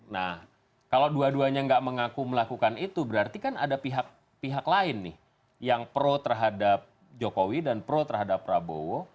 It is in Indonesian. nah kalau dua duanya nggak mengaku melakukan itu berarti kan ada pihak pihak lain nih yang pro terhadap jokowi dan pro terhadap prabowo